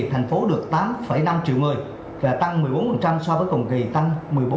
thành phố được tám năm triệu người và tăng một mươi bốn so với cùng kỳ tăng một mươi bốn